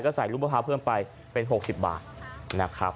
ก็ใส่ลูกมะพร้าวเพิ่มไปเป็น๖๐บาทนะครับ